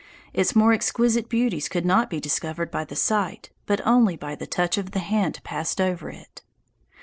Its more exquisite beauties could not be discovered by the sight, but only by the touch of the hand passed over it."